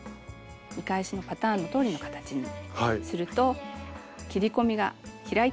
見返しのパターンのとおりの形にすると切り込みが開いてくれます。